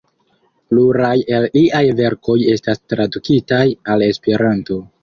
Pluraj el liaj verkoj estas tradukitaj al Esperanto.